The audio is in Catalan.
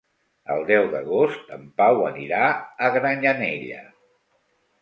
El deu d'agost en Pau anirà a Granyanella.